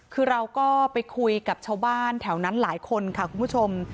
คือเราก็ไปคุยกับชาวบ้านแถวนั้นหลายคนค่ะคุณผู้ชม